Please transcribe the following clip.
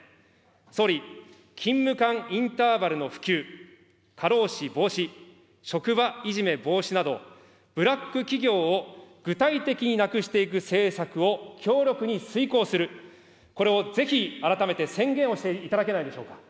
総理、勤務間インターバルの普及、過労死防止、職場いじめ防止など、ブラック企業を具体的になくしていく政策を強力に遂行する、これをぜひ改めて宣言をしていただけないでしょうか。